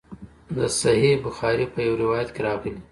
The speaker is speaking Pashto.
د صحیح بخاري په یوه روایت کې راغلي.